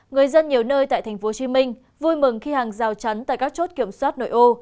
người dân nhiều nơi tại tp hcm vui mừng khi hàng rào chắn tại các chốt kiểm soát nội ô